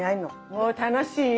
もう楽しいよ。